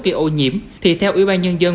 khi ô nhiễm thì theo ủy ban nhân dân